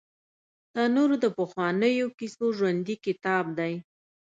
تنور د پخوانیو کیسو ژوندي کتاب دی